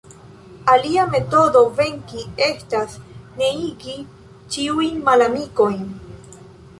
Alia metodo venki estas neniigi ĉiujn malamikojn.